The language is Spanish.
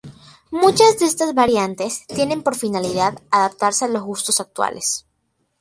Muchas de estas variantes tienen por finalidad adaptarse a los gustos actuales.